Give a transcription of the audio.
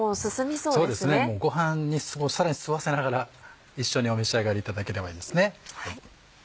そうですねご飯にさらに吸わせながら一緒にお召し上がりいただければいいですね。